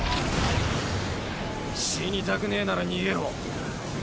死にたくねぇなら逃げろ。